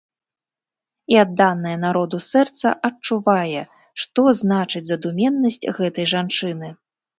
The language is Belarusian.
І адданае народу сэрца адчувае, што значыць задуменнасць гэтай жанчыны.